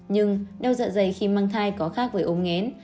nhưng đau dạ dày khi mang thai có khác với ổng ngén